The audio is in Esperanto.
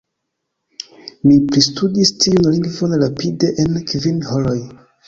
Mi pristudis tiun lingvon rapide en kvin horoj!